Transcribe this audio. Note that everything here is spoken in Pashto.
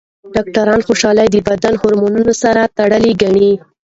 ډاکټران خوشحالي د بدن هورمونونو سره تړلې ګڼي.